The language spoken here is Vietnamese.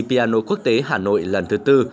piano quốc tế hà nội lần thứ tư